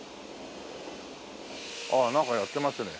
あっなんかやってますね。